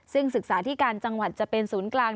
ซึ่งศึกษาที่การจังหวัดจะเป็นศูนย์กลาง